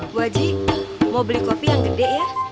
bu haji mau beli kopi yang gede ya